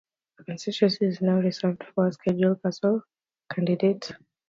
The constituency is now reserved for a scheduled caste candidate.